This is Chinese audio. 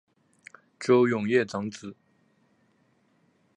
邹永煊长子。